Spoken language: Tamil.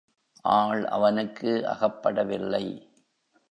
ஆள் அவனுக்கு அகப்படவில்லை.